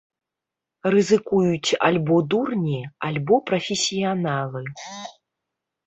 Рызыкуюць альбо дурні, альбо прафесіяналы.